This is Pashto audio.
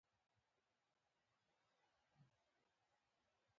له برید را وګرځي